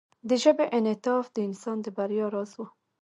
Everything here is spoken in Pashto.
د ژبې انعطاف د انسان د بریا راز و.